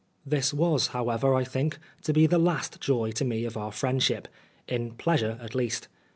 This was, however, I think, to be the last joy to me of our friendship in pleasure, at least.